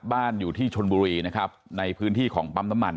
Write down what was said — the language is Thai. อยู่ที่ชนบุรีนะครับในพื้นที่ของปั๊มน้ำมัน